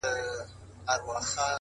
ذهن د تمرکز له لارې قوي کېږي’